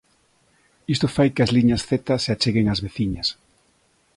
Isto fai que as liñas Z se acheguen ás veciñas.